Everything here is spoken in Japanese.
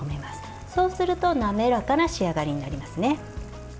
そうすると滑らかな仕上がりになりますね。